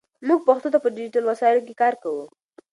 موږ پښتو ته په ډیجیټل وسایلو کې کار کوو.